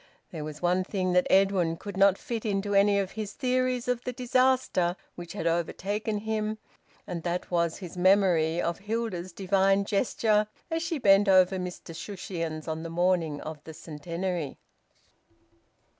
There was one thing that Edwin could not fit into any of his theories of the disaster which had overtaken him, and that was his memory of Hilda's divine gesture as she bent over Mr Shushions on the morning of the Centenary.